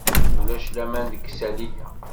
Ulac laman deg isalli-a.